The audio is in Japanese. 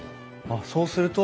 あっそうすると。